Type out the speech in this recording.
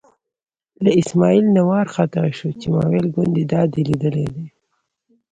له اسمعیل نه وار خطا شو چې ما ویل ګوندې دا دې لیدلی دی.